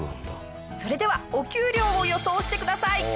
それではお給料を予想してください。